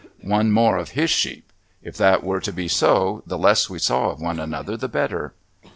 One more of his sheep. If that were to be so the less we saw of one another the better."